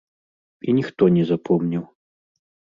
І ніхто не запомніў.